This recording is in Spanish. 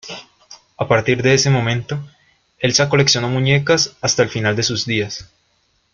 A partir de ese momento, Elsa coleccionó muñecas hasta el final de sus días.